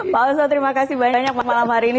pak oso terima kasih banyak malam hari ini